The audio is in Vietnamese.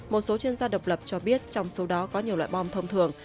một số chuyên gia độc lập cho biết trong số đó có nhiều loại bom thông thường